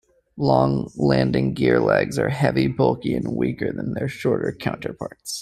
Long landing gear legs are heavy, bulky, and weaker than their shorter counterparts.